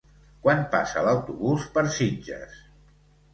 Quan passa l'autobús per Sitges?